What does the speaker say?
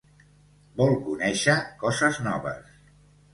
Vol conèixer coses noves.